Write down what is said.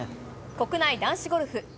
国内男子ゴルフ。